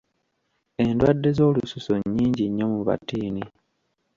Endwadde z'olususu nnyingi nnyo mu batiini.